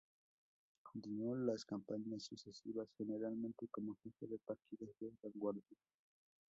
Continuó las campañas sucesivas, generalmente como jefe de partidas de vanguardia.